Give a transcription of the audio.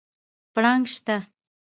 پړانګ سته؟